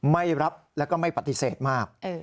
ไม่รับแล้วก็ไม่ปฏิเสธมาก